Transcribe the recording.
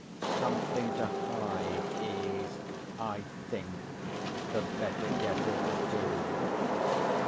Something to hide is, I think, the better guess of the two.